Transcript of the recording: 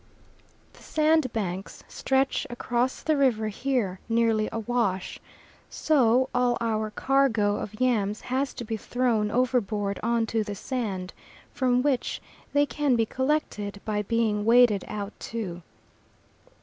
The sandbanks stretch across the river here nearly awash, so all our cargo of yams has to be thrown overboard on to the sand, from which they can be collected by being waded out to.